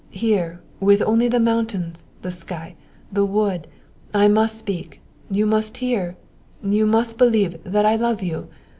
Here, with only the mountains, the sky, the wood, I must speak. You must hear you must believe, that I love you!